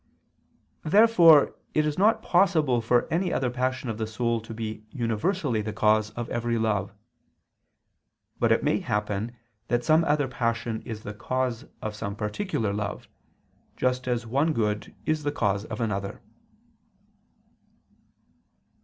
Therefore it is not possible for any other passion of the soul to be universally the cause of every love. But it may happen that some other passion is the cause of some particular love: just as one good is the cause of another.